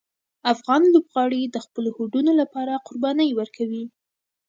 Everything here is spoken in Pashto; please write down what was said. افغان لوبغاړي د خپلو هوډونو لپاره قربانۍ ورکوي.